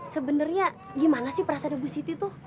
sebenarnya gimana sih perasaan ibu siti tuh